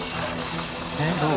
えっどう？